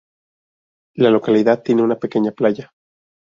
La localidad tiene una pequeña playa.